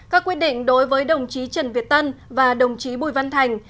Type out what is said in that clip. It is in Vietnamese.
các quyết định đối với đồng chí trần việt tân và đồng chí bùi văn thành